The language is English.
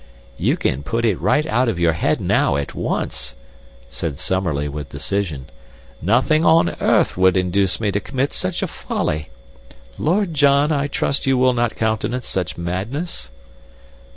"You can put it right out of your head now, at once," said Summerlee with decision, "nothing on earth would induce me to commit such a folly. Lord John, I trust that you will not countenance such madness?"